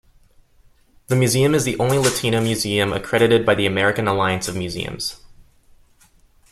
The museum is the only Latino museum accredited by the American Alliance of Museums.